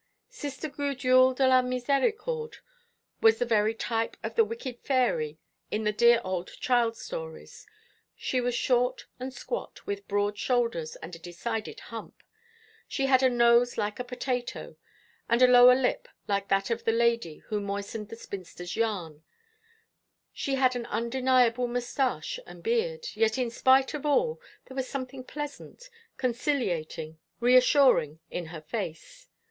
Sister Gudule de la Miséricorde was the very type of the wicked fairy in the dear old child stories. She was short and squat, with broad shoulders and a decided hump. She had a nose like a potato, and a lower lip like that of the lady who moistened the spinster's yarn; she had an undeniable moustache and beard; yet in spite of all, there was something pleasant, conciliating, reassuring in her face.